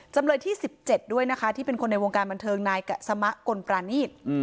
จำเลยที่๑๗ด้วยนะคะที่เป็นคนในวงการบันเทิงนายกะสมะกลปรานีต